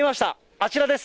あちらです。